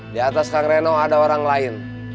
di atas kang reno ada orang lain